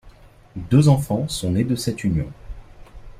Deux enfants sont nés de cette union.